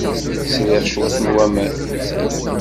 Sriɣ cwiṭ n waman.